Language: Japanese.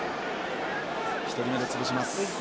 １人目で潰します。